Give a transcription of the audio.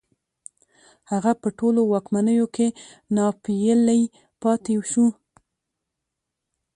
هغه په ټولو واکمنیو کې ناپېیلی پاتې شو